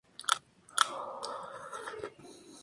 Todos compartían sus estudios universitarios con los musicales.